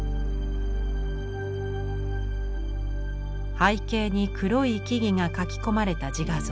背景に黒い木々が描き込まれた自画像。